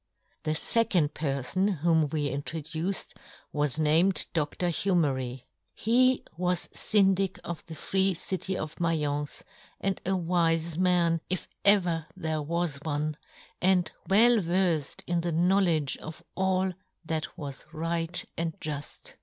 The fecond perfon whom we intro duced was named Dr. Humery. He was Syndic of the free city of Maience, and a wife man, if ever there was one, and well verfed in the knowledge of all that was right and juft.